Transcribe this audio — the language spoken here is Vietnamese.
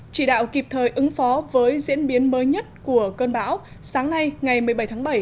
chỉ đạo kịp thời ứng phó với diễn biến mới nhất của cơn bão sáng nay ngày một mươi bảy tháng bảy